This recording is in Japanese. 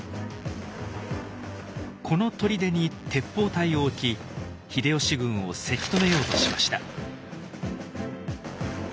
この砦に鉄砲隊を置き秀吉軍をせき止めようとしました。